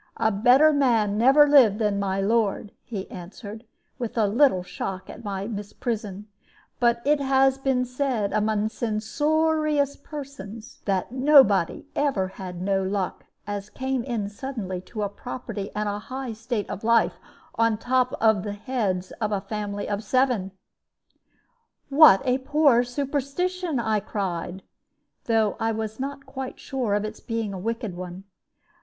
"A better man never lived than my lord," he answered, with a little shock at my misprision; "but it has been said among censoorous persons that nobody ever had no luck as came in suddenly to a property and a high state of life on the top of the heads of a family of seven." "What a poor superstition!" I cried, though I was not quite sure of its being a wicked one.